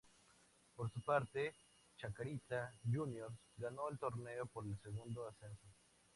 Por su parte, Chacarita Juniors ganó el torneo por el segundo ascenso.